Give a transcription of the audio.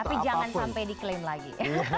tapi jangan sampai di klaim lagi